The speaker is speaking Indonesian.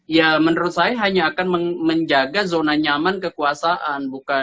ya menurut saya hanya akan menjaga zona nyaman kekuasaan